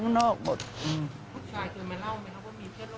ผู้ชายเจอมาเล่าไหมครับว่ามีเพื่อนโรงงาน